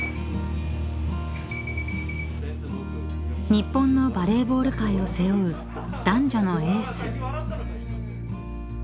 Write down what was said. ［日本のバレーボール界を背負う男女のエース］